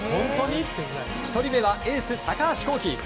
１人目はエース、高橋煌稀。